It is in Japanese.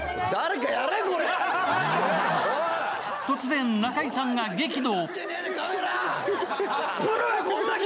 突然、中居さんが激怒。